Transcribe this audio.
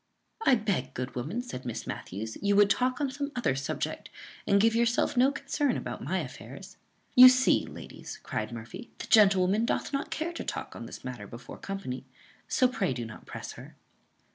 "I beg, good woman," said Miss Matthews, "you would talk on some other subject, and give yourself no concern about my affairs." "You see, ladies," cried Murphy, "the gentle woman doth not care to talk on this matter before company; so pray do not press her."